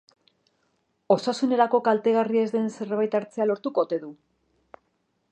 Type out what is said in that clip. Osasunerako kaltegarria ez den zerbait hartzea lortuko ote du?